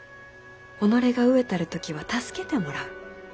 己が飢えたる時は助けてもらう。